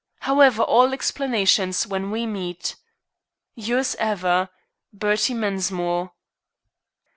However, all explanations when we meet. "Yours ever, "BERTIE MENSMORE."